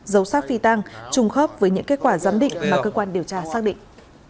giấu xác phi tăng trùng khớp với những kết quả giám định mà cơ quan điều tra xác định